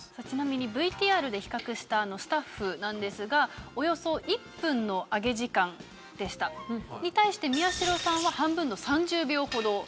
ちなみにＶＴＲで比較したスタッフなんですがおよそ１分の揚げ時間でした。に対して宮代さんは半分の３０秒ほど。